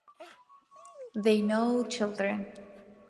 They no children.